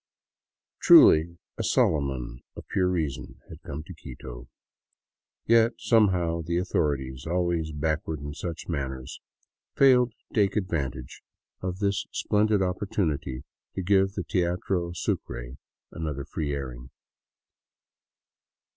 Truly a Solomon of pure reason had come to Quito. Yet somehow the authorities, always backward in such matters, failed to take ad 158 I THE CITY OF THE EQUATOR vantage of this splendid opportunity to give the Teatro Sucre another free airing.